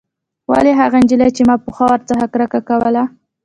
ولې هغه نجلۍ چې ما پخوا ورڅخه کرکه کوله.